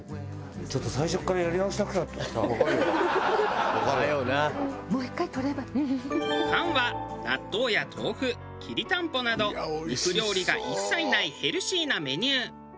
ちょっと菅は納豆や豆腐きりたんぽなど肉料理が一切ないヘルシーなメニュー。